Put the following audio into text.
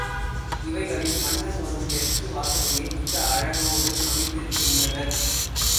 இவைகளில் மன்னன் வரும் தெற்கு வாசலையே மிக்க அழகோடு அமைத்திருக்கின்றனர்.